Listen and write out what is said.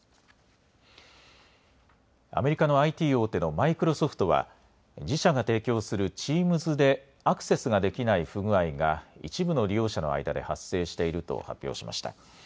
アメリカのＩＴ大手のマイクロソフトは自社が提供するチームズでアクセスができない不具合が一部の利用者の間で発生していると発表しました。